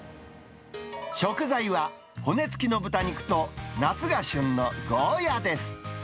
食材は、骨付きの豚肉と、夏が旬のゴーヤです。